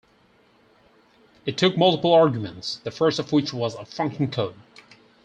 It took multiple arguments, the first of which was a function code.